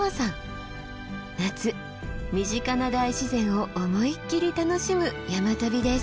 夏身近な大自然を思いっきり楽しむ山旅です。